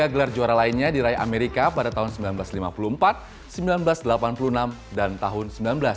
tiga gelar juara lainnya diraih amerika pada tahun seribu sembilan ratus lima puluh empat seribu sembilan ratus delapan puluh enam dan tahun seribu sembilan ratus sembilan puluh